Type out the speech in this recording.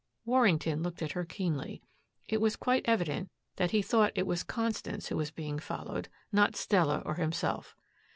Warrington looked at her keenly. It was quite evident that he thought it was Constance who was being followed, not Stella or himself.